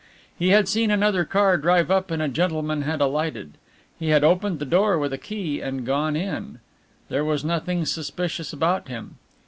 He had seen another car drive up and a gentleman had alighted. He had opened the door with a key and gone in. There was nothing suspicious about him.